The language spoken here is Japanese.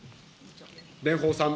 蓮舫さん。